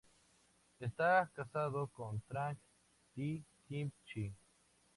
Está casado con Trần Thị Kim Chi.